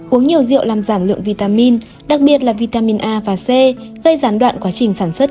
uống nhiều rượu làm giảm lượng vitamin đặc biệt là vitamin a và c gây gián đoạn quá trình sản xuất